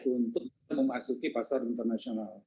untuk memasuki pasar internasional